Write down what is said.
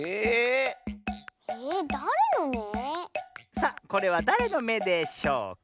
さあこれはだれのめでしょうか？